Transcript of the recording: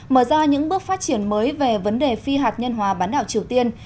mở ra những bước phát triển mới về vấn đề phi hạt nhân hòa bán đạo triều tiên